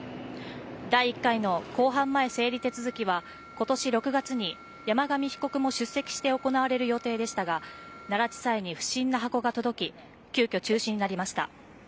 第１回の公判前整理手続きは今年６月に山上被告も出席して行われる予定でしたが奈良地裁に不審な箱が届き急きょ中止になりました。